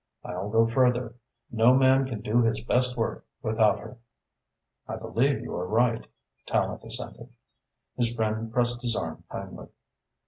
I'll go further. No man can do his best work without her." "I believe you are right," Tallente assented. His friend pressed his arm kindly.